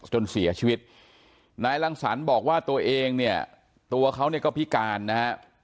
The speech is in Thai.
จนเสียชีวิตนายรังสรรค์บอกว่าตัวเองเนี่ยตัวเขาเนี่ยก็พิการนะฮะ